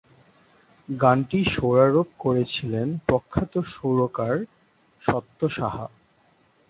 গানটি সুরারোপ করেছিলেন প্রখ্যাত সুরকার সত্য সাহা।